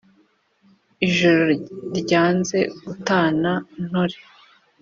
ijoro ryanze gutana ntore!